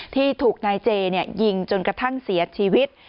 ที่ถูกนายเจยิงจนกระทั่งเสียชีวิต